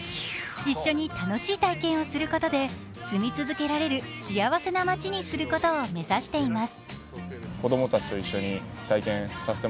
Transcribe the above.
一緒に楽しい体験をすることで済み続けられる幸せな街にすることを目指しています。